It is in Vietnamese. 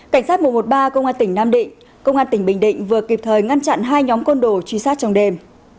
cảnh sát mùa một ba công an tỉnh nam định công an tỉnh bình định vừa kịp thời ngăn chặn hai nhóm con đồ truy sát trong đêm